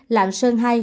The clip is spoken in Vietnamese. lạng sơn hai